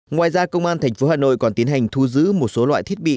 ngoài ra công an tp hà nội còn tiến hành thu giữ một số loại thiết bị